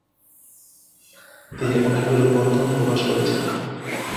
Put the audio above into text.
তিনি অনেকগুলো গ্রন্থ প্রকাশ করেছেন।